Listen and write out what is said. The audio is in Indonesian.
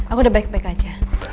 aku udah baik baik aja